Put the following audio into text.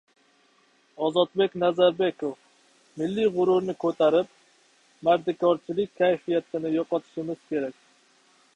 Ozodbek Nazarbekov: «Milliy g‘ururni ko‘tarib, mardikorchilik kayfiyatini yo‘qotishimiz kerak»